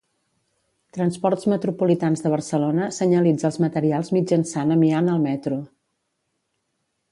Transports Metropolitans de Barcelona senyalitza els materials mitjançant amiant al metro.